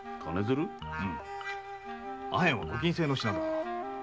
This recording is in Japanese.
アヘンはご禁制の品だ。